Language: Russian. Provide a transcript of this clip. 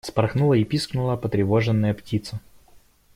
Вспорхнула и пискнула потревоженная птица.